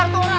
cebut aja ah